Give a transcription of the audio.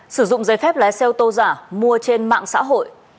sử dụng giấy phép lái xe ô tô giả mua trên mạng xã hội